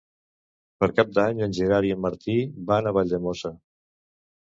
Per Cap d'Any en Gerard i en Martí van a Valldemossa.